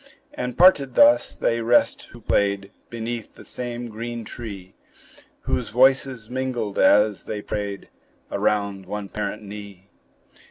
And parted thus, they rest who played Beneath the same green tree; Whose voices mingled as they prayed Around one parent knee.